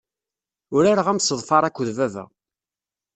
Urareɣ amseḍfar akked baba.